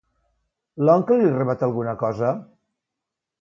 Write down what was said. L'oncle li rebat alguna cosa?